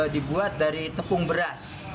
dibuat dari tepung beras